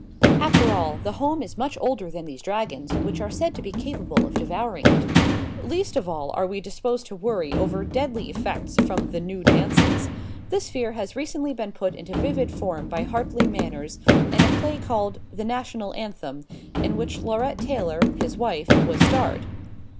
After all, the home is much older than these dragons which are said to be capable of devouring it. Least of all are we disposed to worry over deadly effects from the new dances. This fear has recently been put into vivid form by Hartley Manners in a play called "The National Anthem," in which Laurette Taylor, his wife, was starred.